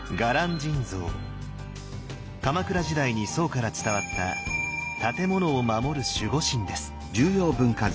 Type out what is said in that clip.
鎌倉時代に宋から伝わった建物を守る守護神です。